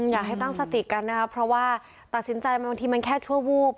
อยากให้ตั้งสติกันนะครับเพราะว่าตัดสินใจบางทีมันแค่ชั่ววูบ